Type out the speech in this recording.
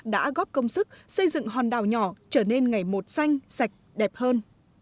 đã góp công sức xây dựng hòn đảo nhỏ trở nên ngày một xanh sạch đẹp hơn